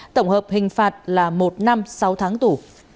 tổng hợp hình phạt là một năm sáu tháng tù